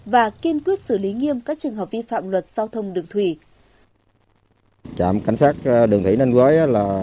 và kiên quyết xử lý nghiêm các trường hợp vi phạm luật giao thông đường thủy